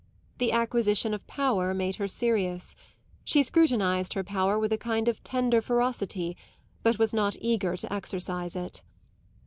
The acquisition of power made her serious; she scrutinised her power with a kind of tender ferocity, but was not eager to exercise it.